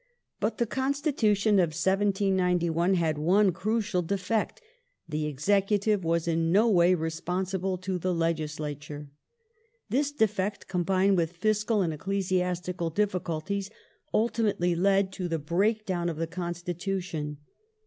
But the Constitution of 1791 had one crucial defect: the Executive was in no way responsible to the Legislature. This defect, combined with fiscal and ecclesiastical difficulties, ultimately led to the breakdown of the Constitution.